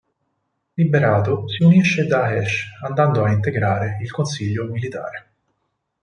Liberato, si unisce a Da'esh, andando a integrare il Consiglio Militare.